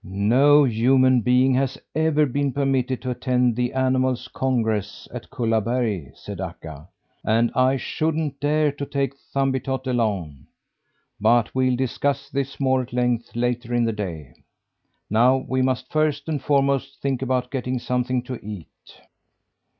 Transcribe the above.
"No human being has ever been permitted to attend the Animal's Congress, at Kullaberg," said Akka, "and I shouldn't dare to take Thumbietot along. But we'll discuss this more at length later in the day. Now we must first and foremost think about getting something to eat."